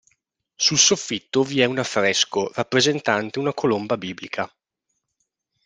Sul soffitto vi è un affresco rappresentante una colomba biblica.